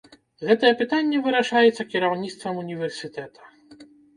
Гэтае пытанне вырашаецца кіраўніцтвам універсітэта.